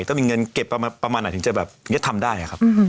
ต้องมีเงินเก็บประมาณไหนถึงจะแบบทำได้ครับ